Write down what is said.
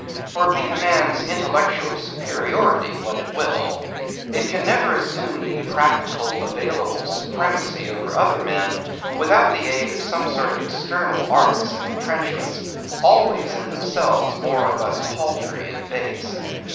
For be a man's intellectual superiority what it will, it can never assume the practical, available supremacy over other men, without the aid of some sort of external arts and entrenchments, always, in themselves, more or less paltry and base.